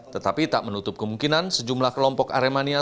tetapi tak menutup kemungkinan sejumlah kelompok aremania